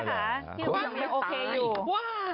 พี่อุ๊ยยกไม่โอเคอยู่